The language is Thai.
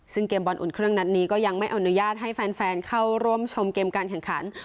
ซึ่งเกมบอลอุ่นเครื่องนัดนี้ก็ยังไม่อนุญาตให้แฟนเข้าร่วมชมเกมการแข่งขัน